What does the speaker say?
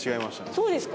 そうですか？